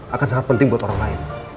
akan sangat penting buat orang lain